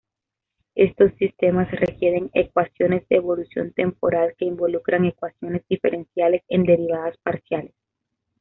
Estos sistemas requieren ecuaciones de evolución temporal que involucran ecuaciones diferenciales en derivadas parciales.